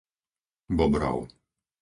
Bobrov